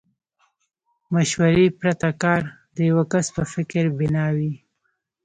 مشورې پرته کار د يوه کس په فکر بنا وي.